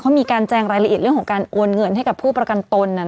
เขามีการแจงรายละเอียดเรื่องของการโอนเงินให้กับผู้ประกันตน